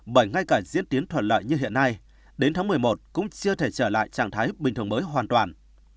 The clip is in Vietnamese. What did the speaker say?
bởi ngay cả diễn tiến thuận lợi như hiện nay đến tháng một mươi một cũng chưa thể trở lại trạng thái bình thường mới hoàn toàn